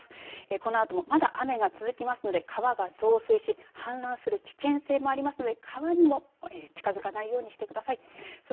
このあともまだ雨が続きますので川が増水し、氾濫する危険性もありますので川にも近づかないようにしてください。